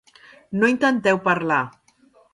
No intenteu parlar!